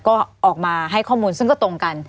ก็ออกมาให้ข้อมูลซึ่งก็ตรงกัน